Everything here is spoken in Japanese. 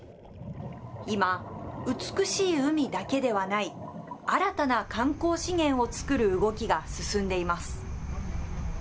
今、美しい海だけではない、新たな観光資源を作る動きが進んでいます。